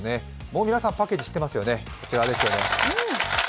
もう皆さんパッケージ知ってますよね、こちらです。